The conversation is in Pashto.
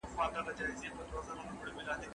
قلمي خط د خپل ځان سره د خبرو کولو یو ډول دی.